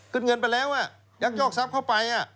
เงินไปแล้วยักยอกทรัพย์เข้าไป